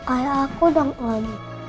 ayah aku dan om